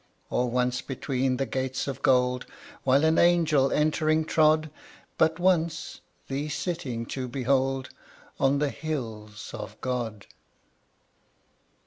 Or once between the gates of gold, While an angel entering trod, But once thee sitting to behold On the hills of God!